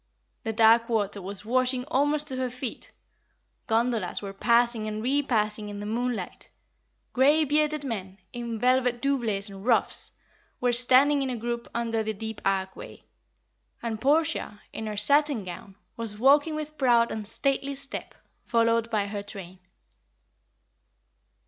The dark water was washing almost to her feet; gondolas were passing and repassing in the moonlight; grey bearded men, in velvet doublets and ruffs, were standing in a group, under the deep archway; and Portia, in her satin gown, was walking with proud and stately step, followed by her train.